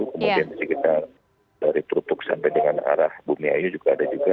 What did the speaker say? kemudian dari purpuk sampai dengan arah bumiayu juga ada juga